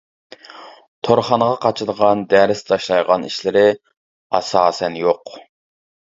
تورخانىغا قاچىدىغان، دەرس تاشلايدىغان ئىشلىرى ئاساسەن يوق.